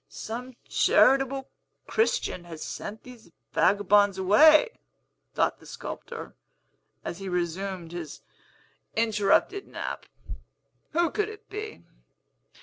"Some charitable Christian has sent those vagabonds away," thought the sculptor, as he resumed his interrupted nap; "who could it be?